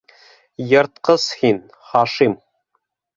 - Йыртҡыс һин, Хашим!